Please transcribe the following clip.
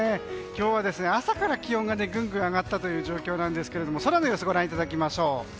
今日は朝から気温がぐんぐん上がったという状況なんですが空の様子をご覧いただきましょう。